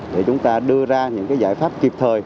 để chúng ta đưa ra những cái giải pháp kịp thời